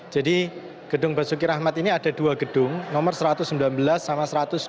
jadi gedung basuki rahmat ini ada dua gedung nomor satu ratus sembilan belas sama satu ratus dua puluh satu